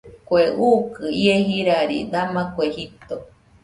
Kue ukɨ ie jirari dama kue jito.